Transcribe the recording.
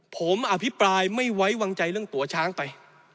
ผมอภิปรายไม่ไว้วางใจเรื่องตัวช้างไป